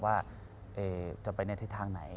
ว่าจะไปที่ทางไหน